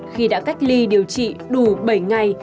khi đã cách ly điều trị đủ bảy ngày